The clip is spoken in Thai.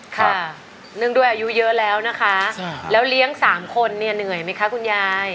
เนื่องด้วยอายุเยอะแล้วนะคะแล้วเลี้ยง๓คนเนี่ยเหนื่อยไหมคะคุณยาย